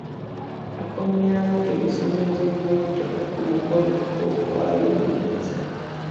Yakomyawo ebisumuluzo by'emmotoka ku mukolo gw'okuwaayo obuyinza.